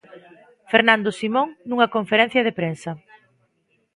Fernando Simón nunha conferencia de prensa.